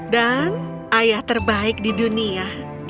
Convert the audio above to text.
dan ayah terbaik di dunia